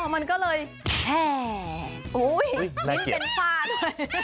อ๋อมันก็เลยแห่โอ้ยนี่เป็นฟาน